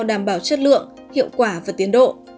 đảm bảo chất lượng hiệu quả và tiến độ